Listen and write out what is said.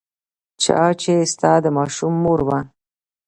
چا چې ستا د ماشوم مور وه.